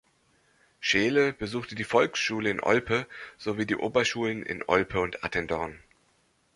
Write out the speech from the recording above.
Scheele besuchte die Volksschule in Olpe sowie die Oberschulen in Olpe und Attendorn.